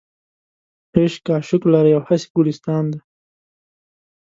عشق عاشق لره یو هسې ګلستان دی.